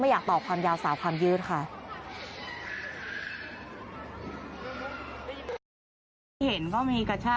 อยากตอบความยาวสาวความยืดค่ะ